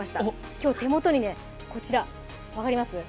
今日、手元に、こちら、分かります？